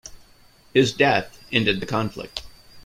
His death ended the conflict.